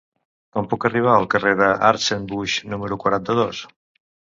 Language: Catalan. Com puc arribar al carrer de Hartzenbusch número quaranta-dos?